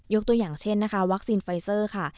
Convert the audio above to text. ตัวอย่างเช่นนะคะวัคซีนไฟเซอร์ค่ะ